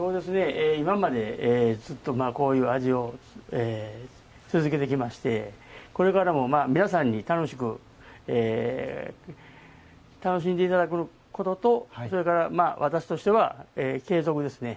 今まで、ずっとこういう味を続けてきましてこれからも皆さんに楽しんでいただくこととそれから、私としては継続ですね。